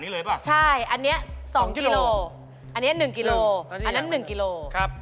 อ๋อได้ครับ